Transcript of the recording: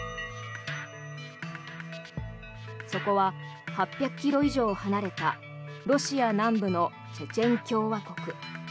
そこは８００ｋｍ以上離れたロシア南部のチェチェン共和国。